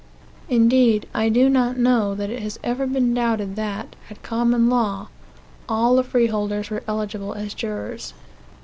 Indeed, I do not know that it has ever been doubted that, at common law, all the freeholders were eligible as jurors.